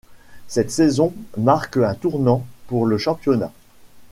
Cette saison marque un tournant pour le championnat.